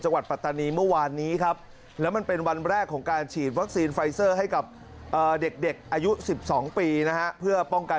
จังหวัดปัตหนีเมื่อวานนี้ครับและมันเป็นวันแรก